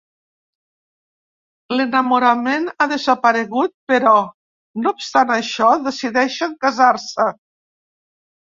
L'enamorament ha desaparegut però, no obstant això, decideixen casar-se.